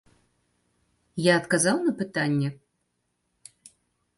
Я адказаў на пытанне?